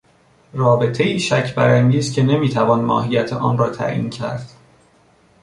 رابطهای شک برانگیز که نمیتوان ماهیت آن را تعیین کرد